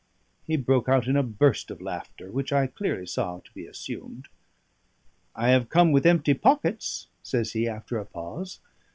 He broke out in a burst of laughter, which I clearly saw to be assumed. "I have come with empty pockets," says he, after a pause.